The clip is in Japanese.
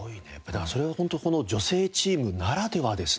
だからそれは本当この女性チームならではですね。